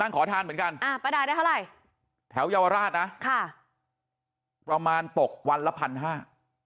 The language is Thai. ขอทานเหมือนกันอ่าป้าดายได้เท่าไหร่แถวเยาวราชนะค่ะประมาณตกวันละพันห้า